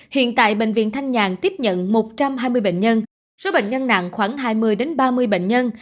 hiện tại bệnh viện thanh nhàn tiếp nhận một trăm hai mươi bệnh nhân số bệnh nhân nặng khoảng hai mươi ba mươi bệnh nhân